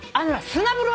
砂風呂。